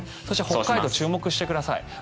そして、北海道注目してください。